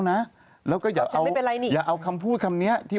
เพราะยังไม่เห็นความรุนแรงของมัน